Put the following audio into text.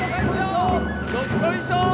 どっこいしょー